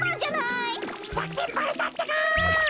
さくせんばれたってか。